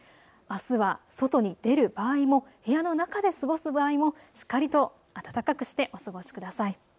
あすは外に出る場合も部屋の中で過ごす場合もしっかりと暖かくしてお過ごしください。